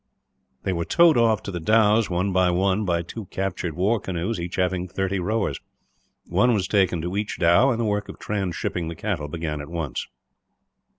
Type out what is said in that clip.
They were towed off to the dhows, one by one, by two captured war canoes, each having thirty rowers. One was taken to each dhow, and the work of transhipping the cattle began at once.